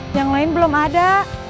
yang lain belum ada